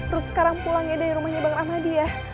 rum sekarang pulang ya dari rumahnya bang ramadi ya